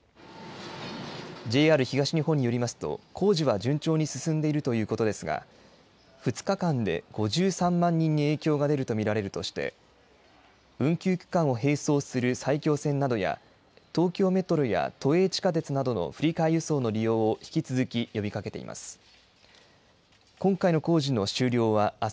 ＪＲ東日本によりますと、工事は順調に進んでいるということですが、２日間で５３万人に影響が出ると見られるとして、運休区間を並走する埼京線などや、東京メトロや都営地下鉄などの振り替え輸送の利用を引き続き呼びかけています。